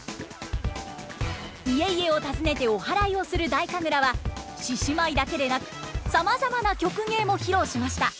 家々を訪ねておはらいをする太神楽は獅子舞だけでなくさまざまな曲芸も披露しました。